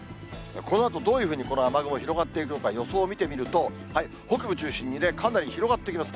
このあとどういうふうにこの雨雲、広がっていくのか、予想を見てみると、北部中心にかなり広がっていきます。